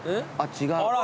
あっ違う。